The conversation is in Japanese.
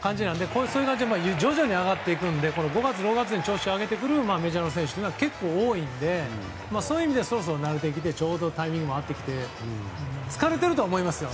この数字は徐々に上がっていくので５月、６月に調子を上げてくるメジャーの選手は結構、多いのでそういう意味でそろそろ慣れてちょうどタイミングも合ってきて疲れてきてるとは思いますよ。